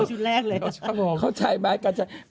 โอ้โหชุดแรกเลยเข้าใจไหม